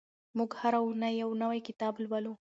موږ هره اونۍ یو نوی کتاب لولو.